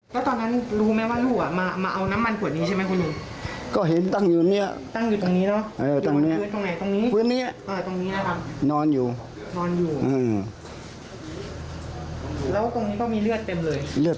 บ้านหลังนี้มีอยู่๕คน